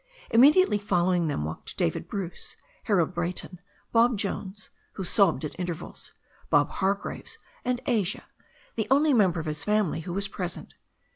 Immediately fol lowing them walked David Bruce, Harold Brayton, Bob Jones, who sobbed at intervals, Bob Hargraves, and Asia, the only member of his family who was present.